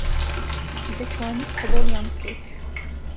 دەتوانیت قبووڵیان بکەیت